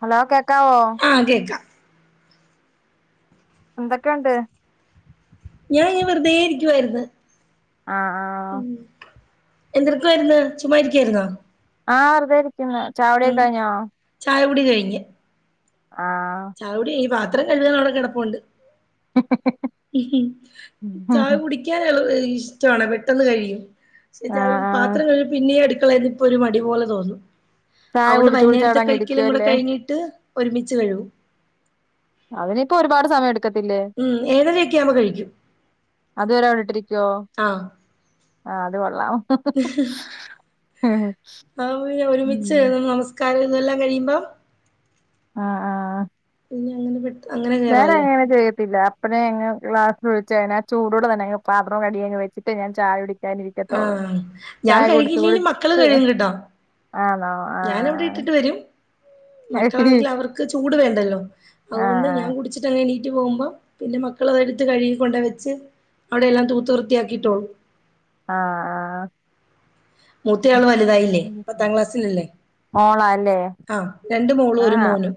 Hello കേക്കാവോ ആ കേക്കാം ന്തൊക്കെണ്ട് ഞാൻ ഈ വെറുതെകരിക്കുവായിരുന്നു ആ ആ ഉ എന്ദിടക്കായിുന്ന [unintelligible] ആഹ വെറുെ ഇരിക്കുന്നു ചായക്കുടിയൊക്കെ കഴിഞ്ഞോ ചായ കുടി കയി ഞ്ഞ് ആഹ ചായകുടി കെയിഞ്ഞ് ഈ പാത്രംകഴുകാൻ അവടെ കടപ്പമുണ്ട് ഹി ഹി ചായ കുടി ഞാൻ കഴുക ഇഷ്ട പെട്ടെന്ന് കഴിയും ആഹ് ആഹ് പാത്രം കഴുകൽ പിന്നെയ എടുക്കളന്ന് പ്പോ ഒരു മടിപ പോലെ തോന്നു ചായ തൊണ്ട് വൈ കുടിച്ച് കുടിച്ച് ന്നേരത്തെ അവിടെ അങ്ങ് കഴിക്കലും കൂടെ ഇരിക്കുവല്ലേ കയിഞ്ഞി ട്ട് ഒരുമിച്ച് കഴൂകും അവനിപ്പോ ഒരുപാട് സമയം എടുക്കത്തില്ലേ ഉം ഏനരൊക്കെ ആവുമ്പോ കഴിക്കും അതുവരെ ക ണ്ടിട്ടിരിക്കോ ആഹ ആ ത് കൊള്ളാം ഹി ഹേ ആഹ് അ ഒപിന്നെ രുമിച്ച്ചേരൂ നമസ്കാരം ഇതെല്ലാം കഴിയുമ്പോ ആഹ ആ ഇനി അങ്ങനെ [unintelligible] വേറെ എ കയറാമല്ലോ ങ്ങനെ ചെയ്യത്തില്ല പിന്നെങ് ഗ്ലാസ്ഴിച്ചഴാ ആ ചൂടെ തന്നെ പാത്രം കിയ അങ് വെച്ചിട്ട് ഞൻ ചായ ആഹ് ഞാൻ കു കഴുകില്ലേലും ാ [unintelligible] ഞാൻ എവിടെ ഇട്ടിട്ട് വരും. മക്കളാണെങ്കിൽ അവർക്ക് ചൂട് വേണ്ടല്ലോ ആഹ് അതുകൊണ്ട് ആഹ് ഞാൻ കുടിച്ചിട്ട ഇം എഴണീട്ട് പോകുമ്പോൾ പിന്നെ മക്കള അതെടുത്ത് കഴുകൊണ്ട വെച്ച് അവിടെ എല്ലാം തൂത്ത വൃത്തിയാക്കിയിട്ടോളും. ആഹ് ആഹ് മൂത്തെയാൾ വലുതായില്ലേ? പത്താം ക്ലാസ്സല്ലേ? മോളാല്ലേ ആഹ് രണ്ട് മോളും ഒരു ആഹ് മോനും.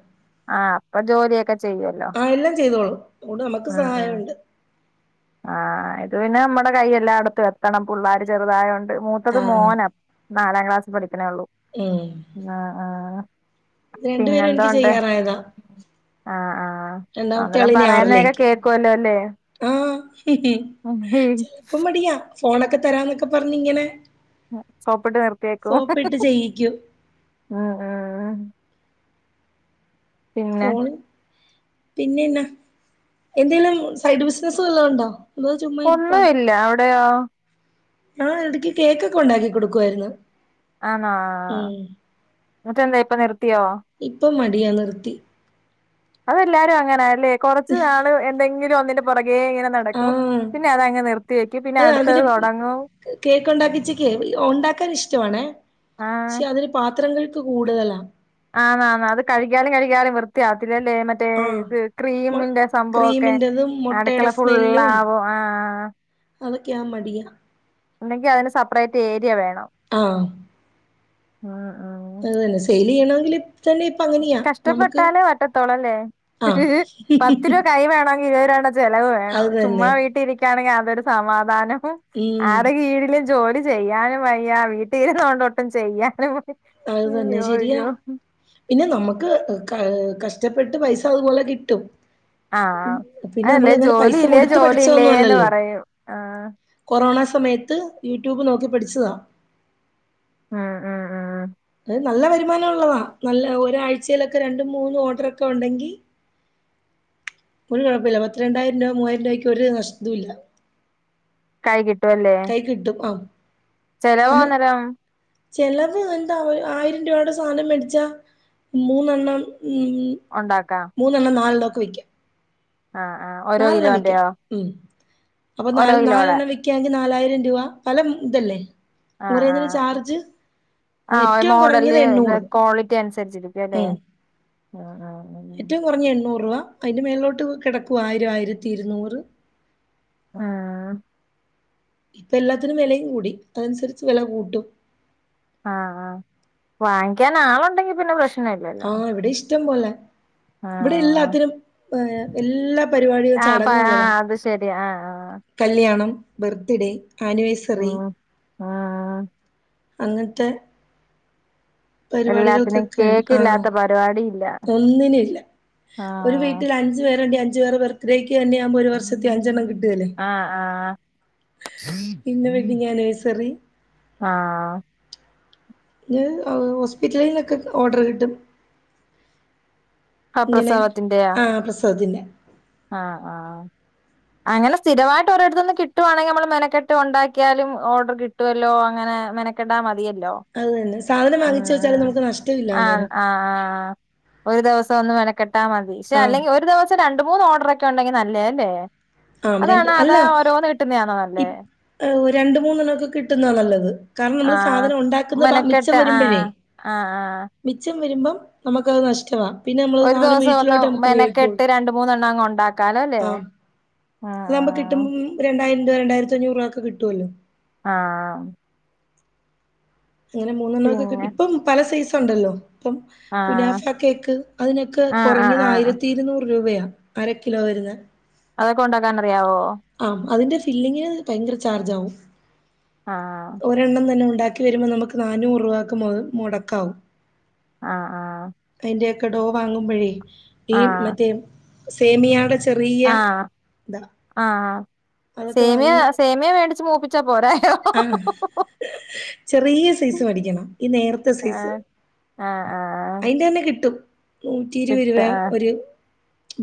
ആഹ് അപ്പൊ ജോലിയൊക്കെ ചെയ്യുവല്ലോ ആ എല്ലാം ചെയ്തോളും ഇടെ നമുക്ക് ഉം ഉം സഹായുണ്ട്. ആഹ് ഇത് പിന്നെ നമ്മടെ കൈെല്ലായിടത്തും എത്തണം പിള്ളാര് ചെറുതായോണ്ട് മൂത്തത് ആഹ് മോനാ. നാലാം ക്ലാസ്സിൽ പഠിക്കണേ ഉള്ളൂ. ഉം ആ ആഹ് രണ്ടുപേരും പിന്നെന്തോ എനിക്ക് ഉണ്ട്? ചെയ്യാറായതാ ആഹ് ആഹ് രണ്ടാമത്തെ അങ്ങനെ ആളിനി പറയുന്നേക്കെ ആറിലേക്ക് കേൾക്കുമല്ലോ അല്ലേ? ആഹ് ചെലപ്പോം മടിയാ ഫോണൊക്കെ തരാന്നൊക്കെ പറഞ്ഞഞ് ഇങ്ങനെ സോപ്പിട്ട് നിർത്തിയക്കും ചെയ്യിക്കും ഉം ഉ ഫോണ് പിന്നെന്ന എന്തെിലും സൈഡ് ബിസിനസ വല്ലാം ഉണ്ടോ? എ ചുമ്മാ ഇരിപ്പാണ്. ഒന്നുമില്ല അവിടെയോ? ആ ഇടക്ക് കേക്കൊക്കെ ഉണ്ടാക്കി കൊടുക്കുവായിരുന്നു. ആണാ ഉം എന്നിട്ട എന്താ ഇപ്പ നിർത്തിയോ? ഇപ്പം മട അ നിർത്തി. അതെല്ലാരും അങ്ങനാല്ലേ കുറച്ച് നാള് എന്തെങ്കിലും ഒന്നിന്റെ പുറകെ ഇങ്ങനെ നട ആഹ് അ അടുത്തത് അതിന് തൊടങ്ങും കേക്ക് ഉണ്ടാക്കിച്ച് കേ ഉണ്ടാക്കാൻ ഇഷ്ട ഷ്ടാണെ ആഹ് പക്ഷെ അതിന് പാത്രങ്ങൾക്ക് കൂടുതലാ. ആന്ന് ആന്ന് അത് കഴകിയാലും കഴകിയാലും വൃത്തിയാത്തില്ലല്ലേ മറ്റേ ആഹ് ഇത് മൊ ക്രീമിന്റെ സംഭവൊക്കെ ക്രീമിന്റതും അടുക്കള മുട്ടയുടെ ഫുുള്ള സ്മെല്ലും ആവും ആ അതൊക്കെയാ മടിയാ. അന്നെങ്കി അതിന് സെപ്പറേറ്റ് ഏരിയ വേണം. ആഹ് ഉം ഉം അതന്നെ സെയിൽ ചെയ്യണെങ്കിൽ തന്നെ [unintelligible] നമുക്ക് കഷ്ടപ്പെട്ടാലേ പറ്റത്തോളല്ലേ? [unintelligible] ആഹ് പത്ത് രൂപ കൈ വേണങ്ങി ഇരു ചെലവ് വേണം അത് ചുമ്മാ തന്നെ. വീട്ടിലിരിക്കയാണെങ്കിൽ അതൊരു സമാധാനവും ഉം. ആടെ കീഴിലും ജോലി ചെയ്യാനും വയ്യ വീട്ട ഇരുന്നൊണ്ട് ഒട്ടും ചെയ്യാനുംവയ്യ അത് തന്നെ ശെരിയാ. പിന്നെ നമ്മക്ക് ക കഷ്ടപ്പെട്ട് പൈസ അതുപോലെ കിട്ടും. ആഹ് പിന്നെ നമ്മൾ അതല്ലേ ഇങ്ങനെ ജോലി പൈസ ഇല്ലേ കൊടുത്ത് ജോലി പഠിച്ചൊന്നും ഇല്ലേന്ന് അല്ലല്ലോ. പറയും ആഹ് കൊറോണ സമയത്ത് യൂട്യൂബ് നോക്കി പഠിച്ചതാ. ആഹ് ആഹ് ആഹ് ആഹ് അത് നല്ല വരുമാനം ഉള്ളതാ നല്ല ഒരാഴ്ചയിലൊക്കെ രണ്ടും മൂന്നും ഓർഡർക്കെ ഉണ്ടെങ്കി ഒരു കുഴപില്ല പത്ത് രണ്ടായിരം രൂപ മൂവായിര രൂപയ്ക്ക ഒരു നഷ്ടവും ഇല്ല കൈ കിട്ടുവല്ല? കൈകിട്ടും ആഹ്. നമ്മൾ ചെലവാന്നരം ചെലവ് എന്താ ആയിരം രൂപയുടെ സാധനം മേടിച്ചാ മൂന്നെണ്ണം ഉം ഒണ്ടാക്കാം മൂന്നെണ്ണം നാലണ്ണം ഓക്കേ വിക്കം ആഹ് ആഹ് ഓരോ നാലെണ്ണം വിയ്ക്കാം കിലോന്റെയോ അപ്പൊ ന ഓരോ കിലോടെ നാലെണ്ണം വി നാലായിരം രൂപ പല ഇതല്ലേ ആഹ് ഓരോന്നിനും ആഹ് ചാർജ് ആഹ് ഏറ്റവും കുറഞ്ഞത് മോഡല് എണ്ണൂറ് ക്വാളിറ്റി അനുസരിച്ചിരിക്കും അല്ലെ? ഉം ഏറ്റവും കുറഞ്ഞ എണ്ണൂറൂവ അതിന്റെ മേലിലോട്ട് കിടക്കുവ ആയിരം ആയിരത്തി ഇരുന്നൂറ് ആഹ് ഇപ്പൊ എല്ലാത്തിനും വിലയും കൂടി അതനുസരിച്ച് വില കൂട്ടും ആ ആ വാങ്ങിക്കാൻ ആളുണ്ടെങ്കി പിന്നെ പ്രശ് ആഹ് ഇവിടെ ഇഷ്ടം പോലെ ഇവിടെ ആഹ് എല്ലാത്തിനും ഏ എല്ലാ പരിപാടിയും ആഹ് പ ചടങ്ങുള്ളതാ ആഹ് അത് ശരി ആഹ് ആഹ് കല്ല്യാണം, ബർത്ത്ഡേ, ആനിവേഴ്സറി ഉം ഉം അങ്ങൻത്തെ എല്ലാത്തിനും പരിപാടികൾക്കൊക്കെൺ കേക്ക് ആ ഇല്ലാത്ത പരിപാടി ഇല്ല ഒന്നിന് ഇല്ല ഒരു ആഹ് വീട്ടിൽ അഞ്ചു പേരുണ്ട് അഞ്ചു പേർ പേർക്ക് ഇത്രേക്ക് തന്നെയാവുമ്പോ ഒരു വർഷത്തിൽ അഞ്ചണ്ണം കിട്ടുകല്ലേ ആഹ് ആഹ് പിന്നെ വെഡ്ഡിങ് ആനിവേഴ്സറി ആഹ് ത് അ ഹോസ്പിറ്റലിന്നൊക്കെ ഓർഡർ കിട്ടും ആഹ് ഇങ്ങനെ പ്രസവത്തിന്റെയാ ആ പ്രസവത്തിന്റെ ആഹ് ആഹ് [inaudible] അങ്ങനെ സ്ഥിരമായിട്ട് ഒരിടത്തുന്ന് കിട്ടുവാണെങ്ക നമ്മള് മനക്കെട്ട് ഉണ്ടാക്കിയാലും ഓർഡർ കിട്ടുമല്ലോ അങ്ങനെ മെ ക്കണ്ടാ മതിയല്ലോ അത് തന്നെ. സാധനം ഉം വാങ്ങിച്ചു വെച്ചാലും ഉം നമുക്ക് നഷ്ടമില്ല ആ അന്നേരം. ആ ആഹ ഒരു ദിവസം ഒന്നു വനക്കെട്ടാൽ മതി ക്ഷെ ആ അല്ലെങ്കിൽ ഒരു ദിവസം രണ്ട് മൂന്ന് ഓർഡർ ഒക്കെ ഉണ്ടെങ്കി നല്ലതേ അല്ലേ ആ രണ്ട് അതാണ് അല്ല അതാ ഓരോന്ന് കിട്ടുന്നതാണോ നല്ലേ ഇപ് രണ്ട് മൂന്നെണ്ണം ഒക്കെ കിട്ടുന്നതാ നല്ലത് കാരണം നമ്മൾ ആഹ് സാധനം ഉണ്ടാക്കുന്നത് ബാ മിച്ചം മെനക്കെട്ട് വരുമ്പോഴേ ആഹ് ആഹ് ആഹ് മിച്ചം വരുമ്പം നമുക്കത് നഷ്ടമാ പിന്നെ നമ്മള് ഒരു സാധനം ദിവസം ഒന്ന് വീട്ടിലോട്ട് നമുക്ക് ഉപയോഗിക്കൂ മെനക്കെട്ട് രണ്ട് മൂന്നെണ്ണം അങ്ങ് ഉണ്ടാക്കാലോ അല്ലേ ആ അതകുമ്പോ ആഹ് കിട്ടുപോ രണ്ടായിരം രൂപ രണ്ടായിരത്തി അഞ്ഞൂറ് രൂപ ഒക്കെ കിട്ടുമല്ലോ ആഹ് അങ്ങനെ മൂന്നെണ്ണമൊക്കെ കിട്ടി പിന്നെ ഇപ്പം പല സൈസുണ്ടല്ലോ അപ്പം ആഹ് കുനാഫ കേക്ക് അതിനൊക്കെ ആഹ് ആഹ് കുറഞ്ഞത് ആഹ് ആയിരത്തി ഇരുന്നൂറ് രൂപയാ അര കിലോ വരുന്ന അതൊക്കെ ഉണ്ടാക്കാൻ അറിയാവോ ആ അതിന്റെ ഫില്ലിംഗന് ഭയങ്കര ചാർജ് ആകും ആഹ് ഒരെണ്ണം തന്നെ ഉണ്ടാക്കി വരുമ്പോൾ നമുക്ക് നാനൂറ് രൂപ മു മുടക്കാവും ആഹ് ആഹ് അതിന്റെയക്കെ ഡോ വാങ്ങുമ്പോഴേ ഈ മറ്റേ സേമിയടെ ആ ആ ആ അതൊക്കെ സേമിയ വാങ്ങി സേമിയ മേടിച്ച് മൂപ്പിച്ചാ പോരായോ ആ ചെറിയ സൈസ് മടിക്കണം ഈ നേർത്ത സൈസ് ആഹ് ആഹ് ആഹ് അയിന്റെ തന്നെ കിട്ടും നൂറ്റി ഇരുപത് കിട്ട രൂപ ആഹ് ഒരു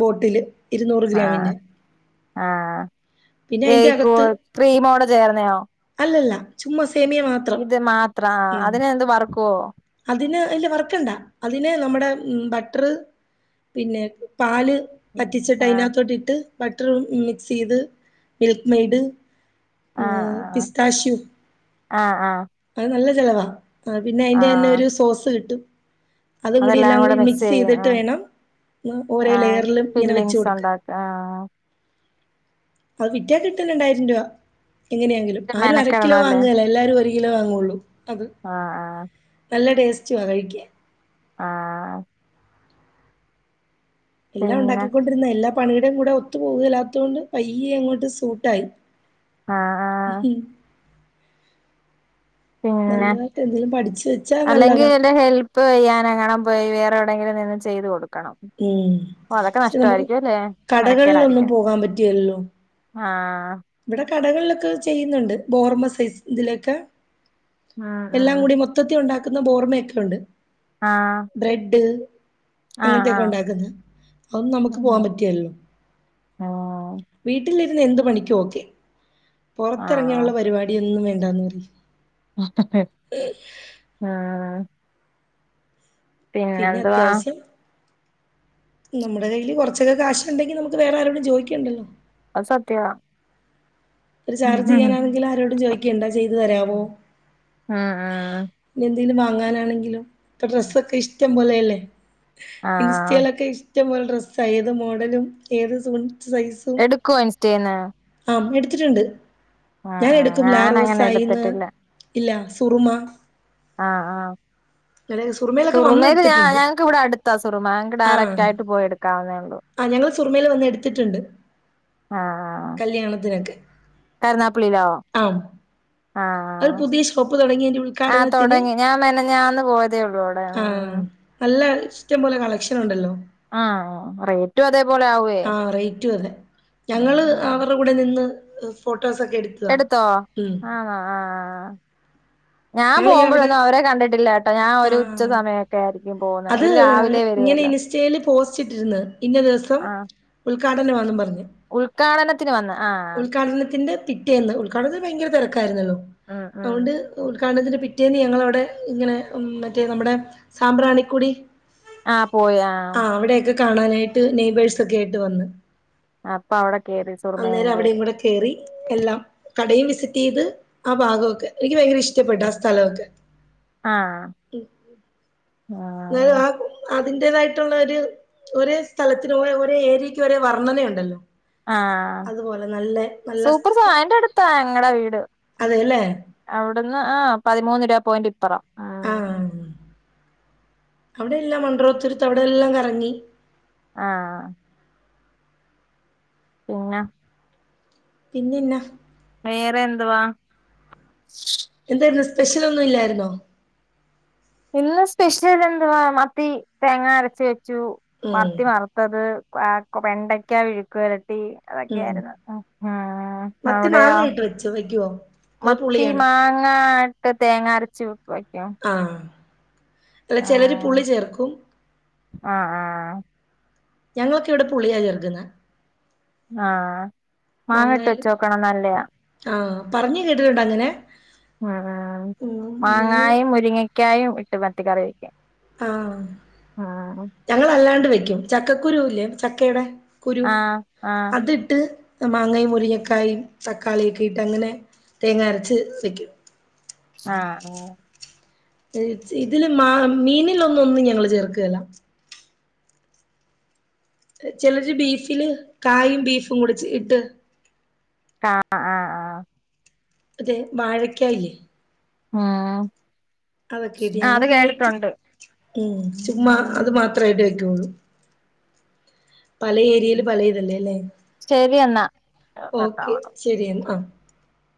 ബോട്ടില് ഇരുന്നൂറ് ആ ഗ്രാമിന്റെ ആ പിന്നെ അയിന്റെ അകത്ത് ക്രിമോടെ ചേർന്നയോ അല്ലല്ല ചുമ്മാ സേമിയ മാത്രം ഇത് മാത്രം ഉം അതിനെ എന്ത് വറുക്കുവോ അതിന് അല്ല വർക്കണ്ടാ അതിന് നമ്മുടെ ബട്ടർ പിന്നെ പാല് പറ്റിച്ചിട്ട് ആഹ് അതിനകത്തോട്ട് ഇട്ട് ബട്ടർ മിക്സ് ചെയ്ത് മിൽക്ക് മെയഡ് ആഹ് ആഹ് പിസ്താശു ആഹ് ആഹ് അത് നല്ല ചെലവാ ആ പിന്നെ അതിന്റെ തന്നെ ആഹ് ഒരു സോസ് കിട്ടും അതും കൂടി അതെല്ലാം എല്ലാം കൂടി കൂടെ മിക്സ് ചെയ്യും ചെയ്തിട്ട് ആഹ് വേണം ഓരോ ആഹ് ലെയറിലും ഇങ്ങനെ വെച്ച് ഫില്ലിങ്സ് കൊടുക്കാൻ ഉണ്ടാക്ക ആഹ് അത് വിറ്റാ കിട്ടും രണ്ടായിരം രൂപ എങ്ങനെയാങ്കിലും ഇച്ചിരി ആരും അര കിലോ മെനക്കെടണം അല്ലേ വാങ്ങുകേല എല്ലാരും ഒരു കിലോ വാങ്ങുള്ളൂ അത് ആഹ് ആഹ് നല്ല ടേസ്റ്റുവാ കഴിക്കാൻ ആഹ് എല്ലാം പിന്നെ ഒണ്ടാക്കിക്കൊണ്ടിരുന്ന എല്ലാ പണിയുടെയും കൂടെ ഒത്തു പൂവെല്ലാത്തോണ്ട് പയ്യെ അങ്ങോട്ട് സൂട്ടായി ആഹ് ആഹ് പിന്നെ നല്ലതായിട്ട് എന്തേലും പഠിച്ചു വെച്ചാ നല്ലതാ [unintelligible] ഹെൽ പ്പ് ചെയ്യാനങ്ങാണം പോയി വേറെ എവിടേങ്കിലും നിന്ന് ചെയ്ത് കൊടുക്കണം ഉം ഓ അതൊക്കെ പക്ഷെ നമ്മക്ക് നഷ്ടമായിരിക്കും അല്ലേ കടകളിലൊന്നും മെനക്കേടായിരിക്കും പോകാൻ പറ്റ്കേലല്ലോ ആഹ് ഇവിടെ കടകളിലൊക്കെ ചെയ്യുന്നുണ്ട് ബോർമ സൈസ് ഇതിലൊക്കെ ഉം എല്ലാം ഉം കൂടി മൊത് ത്തത്തി ഒണ്ടാക്കുന്ന ബോർമേക്ക ഒണ്ട് ആഹ് ബ്രെഡ് അങ്ങനെത്തേക്ക ആഹ് ഒണ്ടാക്കുന്ന് അതൊന്നും നമുക്ക് പോവാൻ ആഹ് പറ്റ്കേലല്ലോ ആഹ് വീട്ടിലിരുന്ന് എന്ത് പണിക്കും ഓക്കെ പൊറത്ത് എറങ്ങിയ ആഹ് ഒള്ള പരിപാ ടി ഒന്നും വേണ്ടാന്ന് പറയും ആഹ് പിന്നെ അത്യാവശ്യം നമ്മുടെ കയ്യില് കൊറച്ചൊക്കെ ക്യാഷ് ഇണ്ടെങ്കി നമുക്ക് വേറെ ആരോടും ചോയിക്കണ്ടല്ലോ അത് സത്യാവാ ഒരു ചാർജ് ചെയ്യാനാണെങ്കിലും ആരോടും ചോദിക്കണ്ടാ ചെയ്തു തരാവോ ഉം ഇനി എന്തെങ്കിലും വാങ്ങാനാണെങ്കിലും ഇപ്പ ഡ്രസ്സൊക്കെ ഇഷ്ടം പോലെയല്ലേ ആഹ് ഇൻസ്റ്റയിലൊക്കെ ഇഷ്ടം പോലെ ഡ്രസ്സായി ഏത് മോഡലും ഏത് സൂൺ സൈസ് എടുക്കുവോ ഇൻസ്റ്റേന്ന് ആഹ് എടുത്തിട്ടുണ്ട് ആഹ് ഞാൻ ആഹ് എടുക്കും ഞാനങ്ങനെ ലാറോസായിന്ന് എടുത്തിട്ടില്ല ഇല്ല സുറുമ ആഹ് ആഹ് ഇന്നലെ സുറുമേല് സുറുമേല് ഞാ ഞങ്ങക്ക് ഇവ്ടെ അടുത്താ സുറുമ ഞങ്ങക്ക് ഡയറക്റ്റായിട്ട് പോയി എടുക്കാവുന്നേ ഉള്ളു ആഹ് ഞങ്ങള് സുറുമേല് വന്ന് എടുത്തിട്ടുണ്ട് കല്യാണത്തിനൊക്കെ കരുനാഗപ്പള്ളിയിലോ ആഹ് ഒരു പുതിയ ഷോപ്പ് തുടങ്ങിയേന്റ ആഹ് ഉദ്ഘാടനത്തിന് തൊടങ്ങി ഞാൻ മെനഞ്ഞാന്ന് പോയതേ ഉള്ളൂ അവിടെ ആഹ് ഉം നല്ല ഇഷ്ടം പോലെ കളക്ഷൻ ഉണ്ടല്ലോ ആഹ് റേറ്റും അതേ പോലെ ആവുവേ ആഹ് റേറ്റും അതെ ഞങ്ങള് ഉം അവർടെ കൂടെ നിന്ന് ഫോട്ടോസൊക്കെ എടുത്ത് എടുത്തോ ആഹ് ആഹ് ഞാൻ ഞങ്ങളിങ്ങനെ അവിടെ പോകുമ്പോഴൊന്നും അവരെ കണ്ടിട്ടില്ല കേട്ടാ ഞാൻ ആ ഒരു ഉച്ച സമയൊക്കെ ആരിക്കും പോവു അത് ഇങ്ങനെ ഇൻസ്റ്റയില് പോസ്റ്റ്‌ ഇട്ടിരുന്ന് ഇന്ന ദിവസം ആഹ് ഉദ്ഘാടനാമാന്നും പറഞ്ഞ് ഉദ്ഘാടനത്തിന് വന്ന് ആഹ് ഉദ്ഘാടനത്തിന്റെ പിറ്റേന്ന് ഉദ്ഘാടനത്തിന് ഭയങ്കര തെരക്കായിരുന്നല്ലോ ഉം ഉം അതുകൊണ്ട് ഉദ്ഘാടനത്തിന്റെ പിറ്റേന്ന് ഞങ്ങളവിടെ ഇങ്ങനെ മറ്റേ നമ്മടെ സാമ്പ്രാണിക്കുടി ആഹ് പോയി ആഹ് അവിടെയൊക്കെ കാണാനായിട്ട് നെയ്ബേർസ് ഒക്കെ ആയിട്ട് വന്ന് ആഹ് അപ്പൊ അവിടെ കേറി സുറുമയിലും അന്നേരം കേറി അവിടെയും കൂടെ കേറി എല്ലാം കടയും വിസിറ്റ് ചെയ്ത് ആ ഭാഗമൊക്കെ എനിക്ക് ഭയങ്കര ഇഷ്ടപ്പെട്ടു ആ സ്ഥലമൊക്കെ ആഹ് ആഹ് എന്നാലും ആ അതിന്റെതായിട്ടുള്ള ഒരു ഒരേ സ്ഥലത്തിന് ഒ ഒരേ ഏരിയക്ക് ഒരേ വർണ്ണനയുണ്ടല്ലോ ആഹ അതുപോലെ നല്ല നല്ല സൂപ്പർ സ്ഥലം സഅയ്ന്റെ അടു ത്താ ഞങ്ങടെ വീട് അതെല്ലേ അവിടുന്ന് ആ പതിമൂന്ന് രൂപ പോയിന്റ് ഇപ്പറം ആഹ് അവിടെല്ലാം മണ്ടറോത്തരത്ത് അവിടെല്ലാം കറങ്ങി. ആഹാ പിന്ന പിന്നെ ന്നാ വേറെ എന്തുവാ? എന്തായ്രുന്നു സ്പെഷ്യൽ ഒന്നും ഇല്ലായിരുന്നോ? ഇന്ന് സ്പെഷ്യൽ എന്തുവാ മത്തി തേങ്ങ അരച്ച് വെച്ചു ഉം മത്തി വറ് ത്തത് ആ വെണ്ടക്ക മെഴുക്കുപുരട്ടി ഉം അതൊക്കെയായിരുന്നു. മത്തി അവിടെയോ? മാങ്ങ ഇട്ട് വെച്ചോ വെക്കുവോ അതോ മത്തി പുളിയാണോ മാങ്ങായിട്ട് തേങ്ങ അരച്ച് വെക്കും ആഹ അല്ല ചെലർ പുള്ളി ചേർക്കും. ആഹ ആഹാ ഞങ്ങളൊക്കെ ഇവിടെ പുള്ളിയാ ചേർക്ക്ന്നെ ആഹ മാങ്ങേല് ആഹ പറഞ്ഞില്ലേഇത് വരെണ്ട്അങ്ങനെ ഹഹാ ഞങ്ങൾ മാങ്ങായും മുരിങ്ങക്കായും ഇട്ട് മത്തി കറി വെക്ക ആഹ ഞങ്ങള് അല്ലാണ്ട് വെക്കും ചക്കക്കുരുല്ലേ ചക്കയുടെ കുരു ആഹ് ആഹ് അതിട്ട് മാങ്ങയും മുരിങ്ങക്കായും തക്കാളിയൊക്കിട്ട് അങ്ങനെ തേങ്ങരച്ച് വെയ്ക്കും. ആഹ ഓ ഇതില് മ മീനിലൊന്നൊന്നും ഞങ്ങള് ചേർക്കേലാ. ചെലര് ബീഫില് കായും ബീഫും കൂടി ച്ചേ ഇട്ട് [unintelligible] അതെ വാഴക്കായില്ലേ? ഹും അതൊക്കെ ഇട്ട് അത് ഞങ്ങള് അങ്ങനെ ചു കേട്ടിട്ടൊണ്ട്. ഉം ചുമ്മാ അത് മാത്രേ കൈക്കോള്ളൂ. പല ഏരിയേല് പലഇതല്ലേ ല്ലേ ശരി എന്നാ ഓക്കെ കട്ടാവണം ശെരിയെന്നാ ആഹ